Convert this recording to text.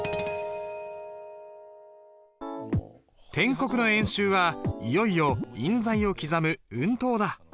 篆刻の演習はいよいよ印材を刻む運刀だ。